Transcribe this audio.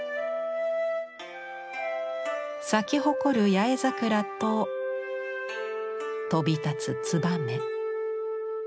咲き誇る八重桜と飛び立つつばめ。